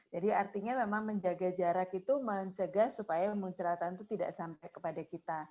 jadi artinya memang menjaga jarak itu mencegah supaya munceratan itu tidak sampai